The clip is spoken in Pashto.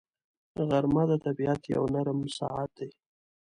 غرمه د طبیعت یو نرم ساعت دی